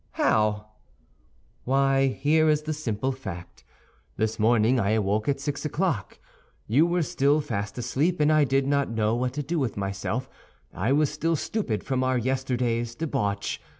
"How?" "Why, here is the simple fact. This morning I awoke at six o'clock. You were still fast asleep, and I did not know what to do with myself; I was still stupid from our yesterday's debauch.